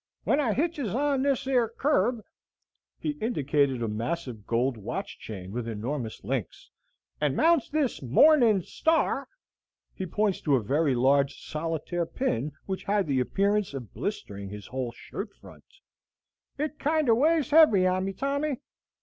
"When I hitches on this yer curb" (he indicated a massive gold watch chain with enormous links), "and mounts this 'morning star,'" (he pointed to a very large solitaire pin which had the appearance of blistering his whole shirt front), "it kinder weighs heavy on me, Tommy.